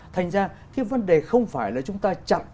thành ra cái vấn đề không phải là chúng ta chậm